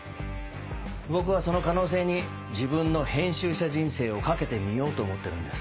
僕はその可能性に自分の編集者人生を懸けてみようと思ってるんです。